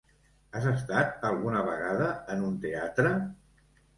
Has estat alguna vegada en un teatre?